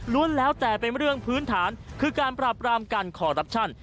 แล้วแต่เป็นเรื่องพื้นฐานคือการปราบรามการคอรัปชั่น